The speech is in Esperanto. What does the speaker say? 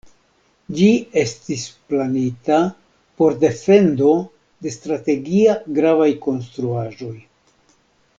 Ĝi estis planita por defendo de strategie gravaj konstruaĵoj.